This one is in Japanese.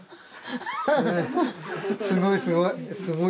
すごいすごい。